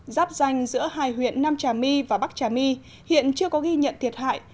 giáp danh giữa hai huyện nam trà my và bắc trà my hiện chưa có ghi nhận thiệt hại